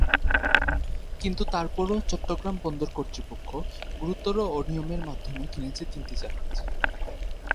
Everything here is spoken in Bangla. কিন্তু তারপরও চট্টগ্রাম বন্দর কর্তৃপক্ষ গুরুতর অনিয়মের মাধ্যমে কিনেছে তিনটি জাহাজ।